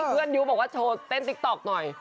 ยุบอกว่าโชว์เต้นติ๊กต๊อกหน่อย